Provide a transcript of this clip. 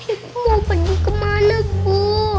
aku mau pergi kemana bu